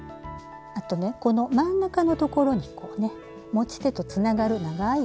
あとねこの真ん中のところにこうね持ち手とつながる長い。